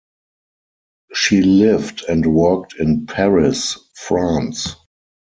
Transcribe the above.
She lived and worked in Paris, France.